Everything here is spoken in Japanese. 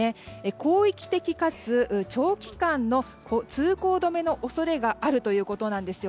広域的かつ、長期間の通行止めの恐れがあるということです。